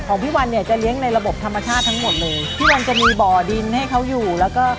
พี่วันเนี่ยจะเลี้ยงในระบบธรรมชาติทั้งหมดเลยพี่วันจะมีบ่อดินให้เขาอยู่แล้วก็